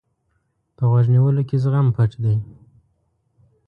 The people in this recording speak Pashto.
په غوږ نیولو کې زغم پټ دی.